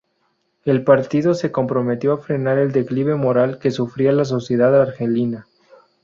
El partido se comprometió a frenar el "declive moral" que sufría la sociedad argelina.